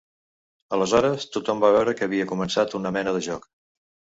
Aleshores tothom va veure que havia començat una mena de joc.